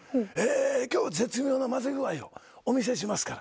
きょう、絶妙な混ぜ具合をお見せしますから。